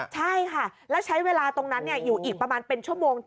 ใช่ค่ะแล้วใช้เวลาตรงนั้นอยู่อีกประมาณเป็นชั่วโมง